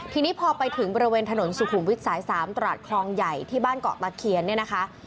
ทีนี้พอไปถึงบริเวณถนนสุขุมวิทย์สาย๓ตราดคลองใหญ่ที่บ้านเกาะตะเคียนเนี่ยนะคะ